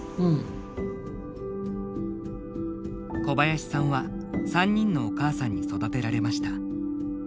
小林さんは３人のお母さんに育てられました。